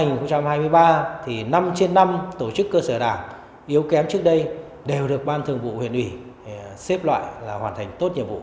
năm hai nghìn hai mươi ba thì năm trên năm tổ chức cơ sở đảng yếu kém trước đây đều được ban thường vụ huyện ủy xếp loại là hoàn thành tốt nhiệm vụ